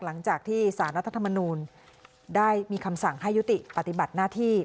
หลังจากที่สารรัฐธรรมนูลได้มีคำสั่งให้ยุติปฏิบัติหน้าที่